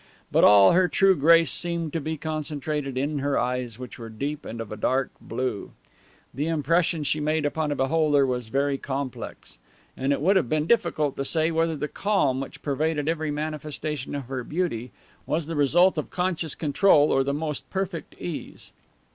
But all her true grace seemed to be concentrated in her eyes, which were deep and of a dark blue. The impression she made upon a beholder was very complex. And it would have been difficult to say whether the calm which pervaded every manifestation of her beauty was the result of conscious control or the most perfect ease.